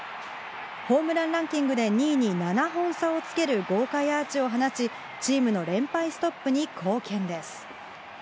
ホームランランキングで２位に７本差をつける豪快アーチを放ち、チームの連敗ストップに貢献です。